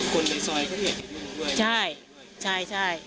คนในซ้อยเขาอยากยุ่งด้วย